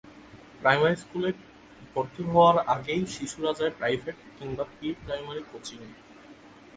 Primary স্কুলে ভর্তি হওয়ার আগেই শিশুরা যায় প্রাইভেট, কিংবা প্রি-প্রাইমারি কোচিংয়ে।